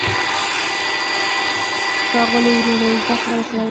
ښاغلو وروڼو زده کړه وکړئ.